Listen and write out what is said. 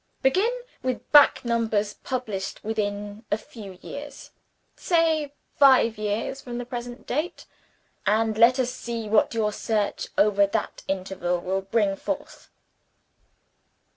Begin with back numbers published within a few years say five years from the present date and let us see what your search over that interval will bring forth."